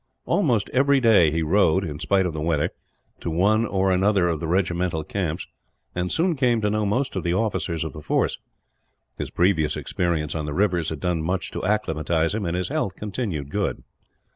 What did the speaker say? Almost every day he rode, in spite of the weather, to one or other of the regimental camps; and soon came to know most of the officers of the force. His previous experience on the rivers had done much to acclimatise him, and his health continued good.